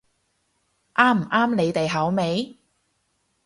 啱唔啱你哋口味